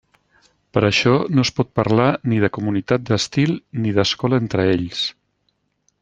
Per això no es pot parlar ni de comunitat d'estil ni d'escola entre ells.